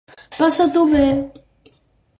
Passa-t'ho bé.